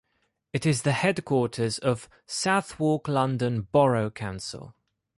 It is the headquarters of Southwark London Borough Council.